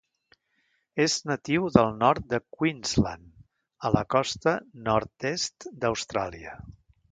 És natiu del nord de Queensland, a la costa nord-est d'Austràlia.